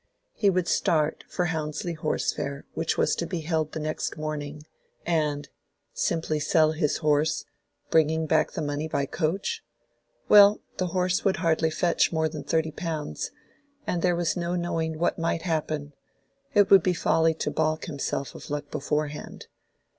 He would start for Houndsley horse fair which was to be held the next morning, and—simply sell his horse, bringing back the money by coach?—Well, the horse would hardly fetch more than thirty pounds, and there was no knowing what might happen; it would be folly to balk himself of luck beforehand.